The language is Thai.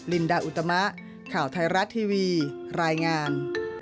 ลินดาอุตมะข่าวไทยรัฐทีวีรายงาน